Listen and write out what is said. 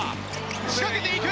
仕掛けていく！